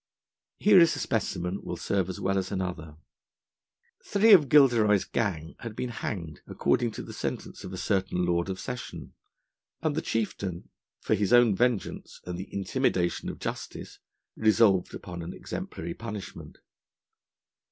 Here is a specimen will serve as well as another: three of Gilderoy's gang had been hanged according to the sentence of a certain Lord of Session, and the Chieftain, for his own vengeance and the intimidation of justice, resolved upon an exemplary punishment.